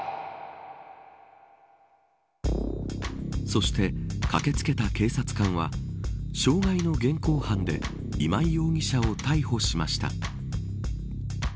そして駆け付けた警察官は傷害の現行犯で今井容疑者を逮捕しました。